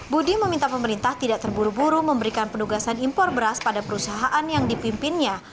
budi meminta pemerintah tidak terburu buru memberikan penugasan impor beras pada perusahaan yang dipimpinnya